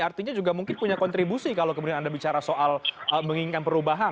artinya juga mungkin punya kontribusi kalau kemudian anda bicara soal menginginkan perubahan